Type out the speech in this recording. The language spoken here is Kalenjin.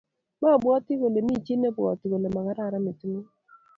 Mabwatyini kole mi chii neibwati kole magararan metingung